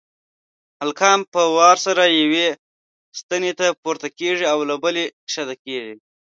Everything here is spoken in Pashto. هلکان په وار سره یوې ستنې ته پورته کېږي او له بلې کښته کېږي.